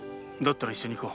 さ一緒に行こう。